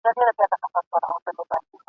له سهاره په ژړا پیل کوو ورځي ..